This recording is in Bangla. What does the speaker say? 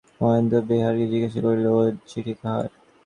মহেন্দ্র বেহারাকে জিজ্ঞাসা করিল, ও চিঠি কাহার।